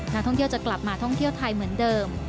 นักท่องเที่ยวจะกลับมาท่องเที่ยวไทยเหมือนเดิม